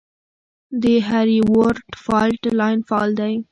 د هریرود فالټ لاین فعال دی